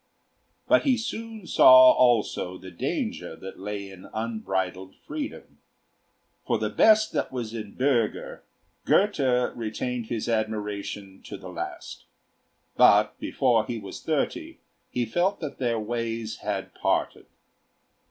But he soon saw also the danger that lay in unbridled freedom. For the best that was in Bürger Goethe retained his admiration to the last, but before he was thirty he felt that their ways had parted.